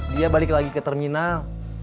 dia balik lagi ke terminal